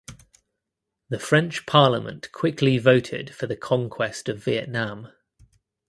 The French Parliament quickly voted for the conquest of Vietnam.